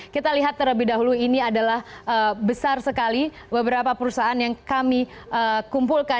kita lihat terlebih dahulu ini adalah besar sekali beberapa perusahaan yang kami kumpulkan